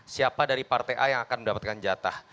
siapa dari partai a yang akan mendapatkan jatah